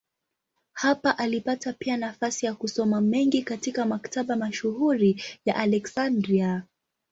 Hapa alipata pia nafasi ya kusoma mengi katika maktaba mashuhuri ya Aleksandria.